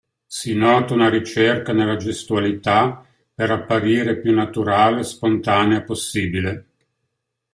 Si nota una ricerca nella gestualità per apparire più naturale e spontanea possibile.